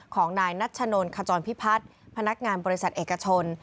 ของนายนัชนนขจรพิพัฒน์พนักงานบริษัทเอกชน